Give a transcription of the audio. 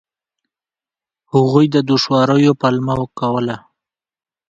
هغوی د دوشواریو پلمه کوله.